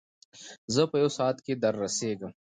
زه په یو ساعت کې در رسېږم.